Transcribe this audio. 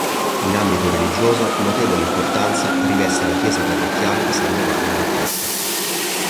In ambito religioso, notevole importanza riveste la chiesa parrocchiale di San Giovanni Battista.